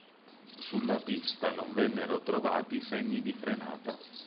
Sulla pista non vennero trovati segni di frenata.